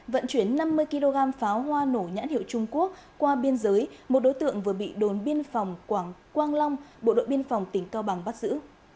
vận chuyển năm mươi kg pháo hoa nổ nhãn hiệu trung quốc qua biên giới một đối tượng vừa bị đồn biên phòng quảng quang long bộ đội biên phòng tỉnh cao bằng bắt giữ